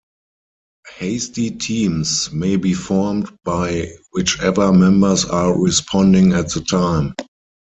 Hasty teams may be formed by whichever members are responding at the time.